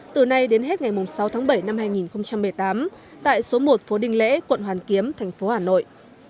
từ nay đến hết ngày sáu tháng bảy năm hai nghìn một mươi tám tại số một phố đinh lễ quận hoàn kiếm thành phố hà nội